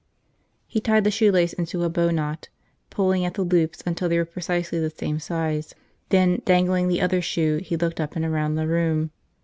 .... He tied the shoelace into a bowknot, pulling at the loops until they were precisely the same size. Then, dangling the other shoe, he looked up and around the room.